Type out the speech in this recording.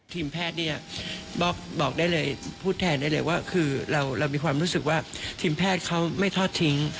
ทีมแพทย์เนี่ยบอกได้เลยพูดแทนได้เลยว่าคือเรามีความรู้สึกว่าทีมแพทย์เขาไม่ทอดทิ้ง